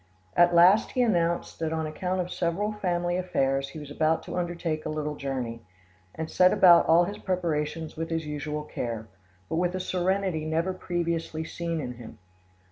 At last he announced that on account of several family affairs he was about to undertake a little journey, and set about all his preparations with his usual care, but with a serenity never previously seen in him.